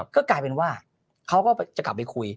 ก็กลายเป็นว่าเขาก็จะกลับไปคุย